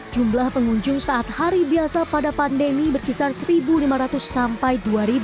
jumlah pengunjung saat hari biasa pada pandemi berkisar satu lima ratus sampai dua ratus